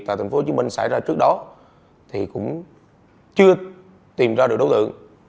tại thành phố hồ chí minh xảy ra trước đó thì cũng chưa tìm ra được đấu tượng